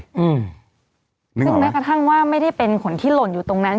ซึ่งแม้กระทั่งว่าไม่ได้เป็นคนที่หล่นอยู่ตรงนั้น